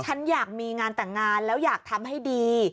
ฉันอยากมีงานแต่งงานแล้วอยากทำให้ดี